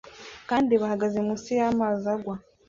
kandi bahagaze munsi y'amazi agwa